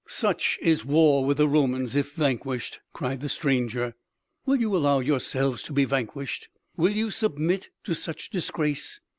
Such is war with the Romans if vanquished!" cried the stranger. "Will you allow yourselves to be vanquished? Will you submit to such disgrace?